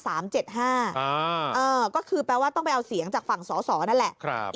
ก็คือแปลว่าต้องไปเอาเสียงจากฝั่งสอสอนั่นแหละ